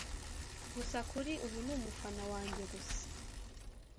gusa kuri ubu ni umufana wanjye gusa